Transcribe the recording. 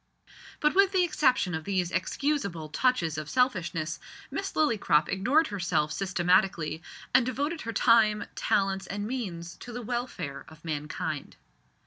But with the exception of these excusable touches of selfishness, Miss Lillycrop ignored herself systematically, and devoted her time, talents, and means, to the welfare of mankind.